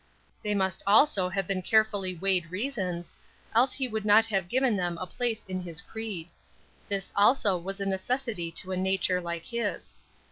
They must also have been carefully weighed reasons, else he would not have given them a place in his creed. This also was a necessity to a nature like his.